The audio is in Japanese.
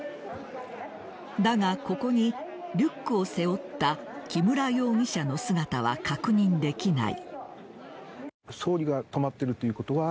だが、ここにリュックを背負った木村容疑者の姿は確認できない。